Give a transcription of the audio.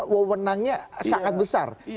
wawonannya sangat besar